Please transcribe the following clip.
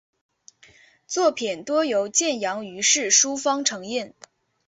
作品多由建阳余氏书坊承印。